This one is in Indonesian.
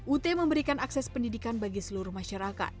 ut memberikan akses pendidikan bagi seluruh masyarakat